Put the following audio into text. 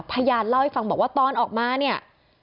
พยานเล่าให้ฟังบอกว่าตอนออกมาเนี่ย